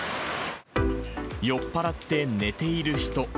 酔っ払って寝ている人。